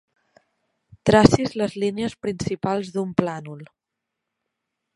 Tracis les línies principals d'un plànol.